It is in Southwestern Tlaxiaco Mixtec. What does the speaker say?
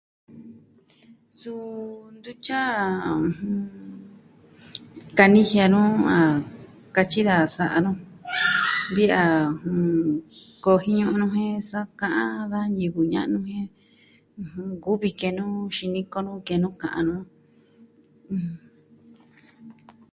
Suu ntu tyi a kanijia nu a katyi da sa'a nu vi a kojiñu nu jen sa'a ka'an da ñivɨ ña'nu jen nkuvi ke'en nu xiniko nu ke'en nu ka'an nu.